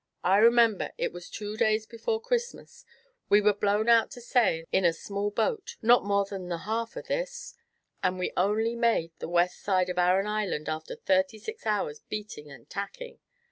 "I remember it was two days before Christmas we were blown out to say in a small boat, not more than the half of this, and we only made the west side of Arran Island after thirty six hours' beating and tacking.